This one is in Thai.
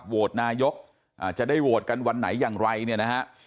โหวตนายกจะได้โหวตกันวันไหนอย่างไรเนี่ยนะฮะ